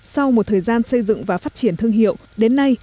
sau một thời gian xây dựng và phát triển thương hiệu đến nay